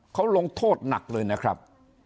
เขาลงโทษหนักเลยนะครับ